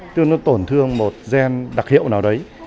tức là nó tổn thương một gen đặc hiệu nào đấy